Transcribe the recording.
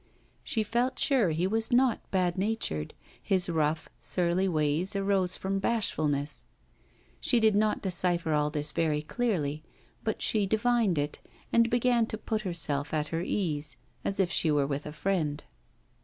She felt sure he was not bad natured, his rough, surly ways arose from bashfulness. She did not decipher all this very clearly, but she divined it, and began to put herself at her ease, as if she were with a friend.